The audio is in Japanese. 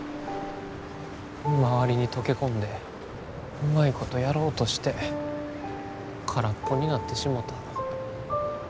周りに溶け込んでうまいことやろうとして空っぽになってしもた。